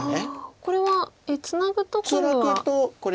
これはツナぐと今度は。